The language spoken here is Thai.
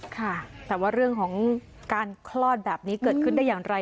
ค่ะแต่ว่าเรื่องของการคลอดแบบนี้เกิดขึ้นได้อย่างไร